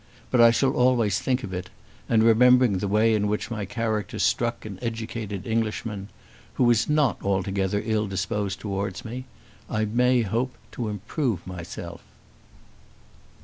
But I shall always think of it; and remembering the way in which my character struck an educated Englishman, who was not altogether ill disposed towards me, I may hope to improve myself."